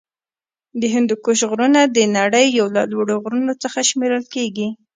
د هندوکش غرونه د نړۍ یو له لوړو غرونو څخه شمېرل کیږی.